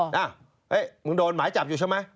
เฮ้ยมึงโดนหมายจับอยู่ใช่ไหม